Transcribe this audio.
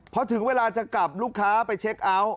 พอถึงเวลาจะกลับลูกค้าไปเช็คเอาท์